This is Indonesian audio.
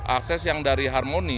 akses yang dari harmoni